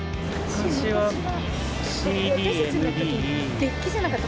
私たちのとき、デッキじゃなかった？